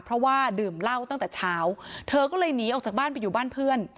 เพราะว่าดื่มเหล้าตั้งแต่เช้าเธอก็เลยหนีออกจากบ้านไปอยู่บ้านเพื่อน